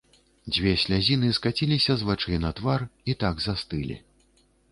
Дзве слязіны скаціліся з вачэй на твар і так застылі.